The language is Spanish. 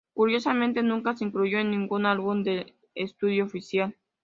Curiosamente nunca se incluyó en ningún álbum de estudio oficial.